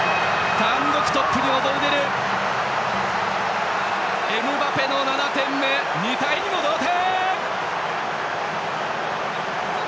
単独トップに躍り出るエムバペの７点目２対２の同点！